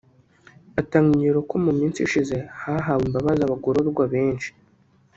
atanga ingero ko mu minsi ishize hahawe imbabazi abagororwa benshi